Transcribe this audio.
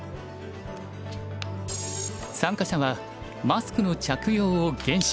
参加者はマスクの着用を厳守。